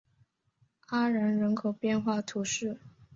阿然人口变化图示